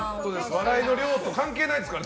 笑いの量とは関係ないですから。